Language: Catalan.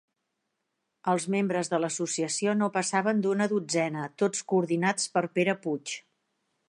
Els membres de l'associació no passaven d'una dotzena, tots coordinats per Pere Puig.